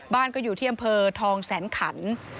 บ้านก็อยู่ที่อำเภอทองแสนขัน